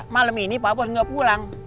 malam ini pak bos nggak pulang